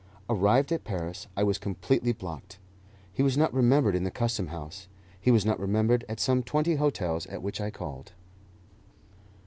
Arrived at Paris, I was completely blocked. He was not remembered in the Custom House; he was not remembered at some twenty hotels at which I called.